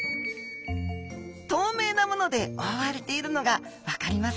透明なもので覆われているのが分かりますでしょうか？